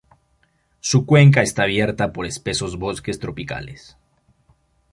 Su cuenca está cubierta por espesos bosques tropicales.